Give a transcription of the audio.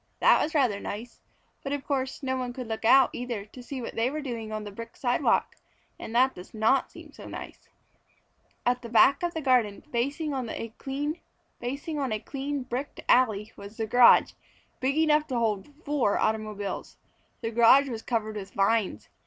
That was rather nice, but of course no one could look out either to see what they were doing on the brick sidewalk, and that does not seem so nice. At the back of the garden, facing on a clean bricked alley, was the garage, big enough to hold four automobiles. The garage was covered with vines.